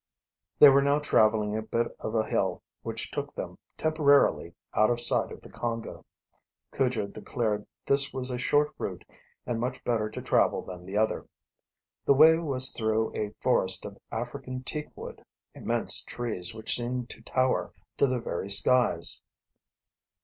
They were now traveling a bit of a hill which took them, temporarily, out of sight of the Congo. Cujo declared this was a short route and much better to travel than the other. The way was through a forest of African teak wood, immense trees which seemed to tower to the very skies.